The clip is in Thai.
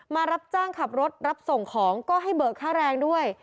มารับจ้างขับรถรับส่งของก็ให้เบิกค่าแรงด้วย